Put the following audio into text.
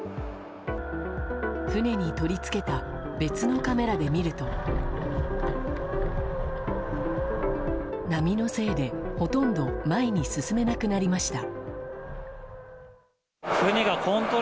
船に取り付けた別のカメラで見ると波のせいでほとんど前に進めなくなりました。